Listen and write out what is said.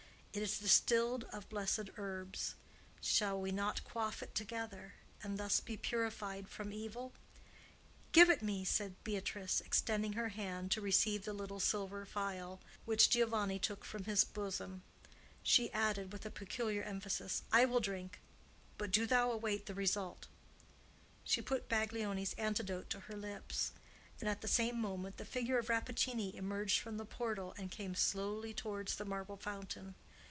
It is distilled of blessed herbs. Shall we not quaff it together, and thus be purified from evil?" "Give it me!" said Beatrice, extending her hand to receive the little silver vial which Giovanni took from his bosom. She added, with a peculiar emphasis, "I will drink; but do thou await the result." She put Baglioni's antidote to her lips; and, at the same moment, the figure of Rappaccini emerged from the portal and came slowly towards the marble fountain.